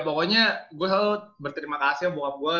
pokoknya gue selalu berterima kasih sama bokap gue